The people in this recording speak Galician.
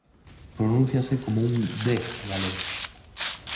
Pronúnciase coma un "D" galego.